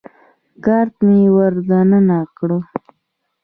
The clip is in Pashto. کارت مې ور دننه کړ.